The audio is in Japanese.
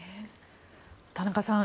田中さん